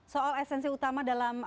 soal esensi utama dalam